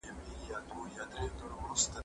زه کولای سم سپينکۍ پرېولم